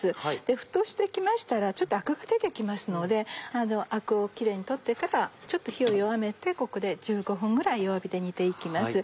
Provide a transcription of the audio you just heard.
沸騰して来ましたらちょっとアクが出て来ますのでアクをキレイに取ってからちょっと火を弱めてここで１５分ぐらい弱火で煮て行きます。